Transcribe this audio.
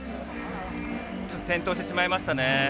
転倒してしまいましたね。